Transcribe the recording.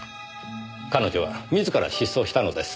彼女は自ら失踪したのです。